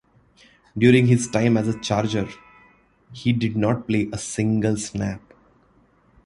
During his time as a Charger, he did not play a single snap.